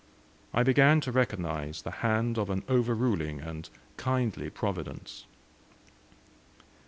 I began to recognize the hand of an overruling and kindly Providence.